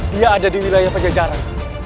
dia ada di wilayah pajajaran